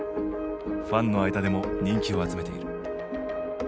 ファンの間でも人気を集めている。